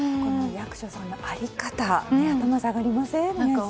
役所さんの在り方に頭が下がりませんか。